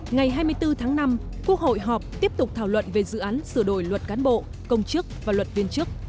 ngày hai mươi bốn tháng năm quốc hội họp tiếp tục thảo luận về dự án sửa đổi luật cán bộ công chức và luật viên chức